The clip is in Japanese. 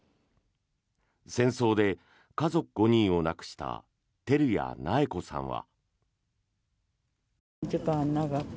戦争で家族５人を亡くした照屋苗子さんは。